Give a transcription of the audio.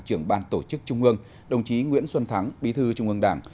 trưởng ban tổ chức trung ương đồng chí nguyễn xuân thắng bí thư trung ương đảng